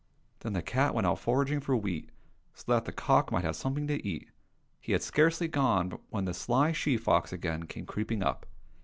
" Then the cat went out foraging for wheat, so that the cock might have something to eat. He had scarcely gone when the sly she fox again came creeping up.